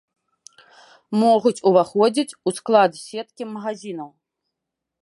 Могуць уваходзіць у склад сеткі магазінаў.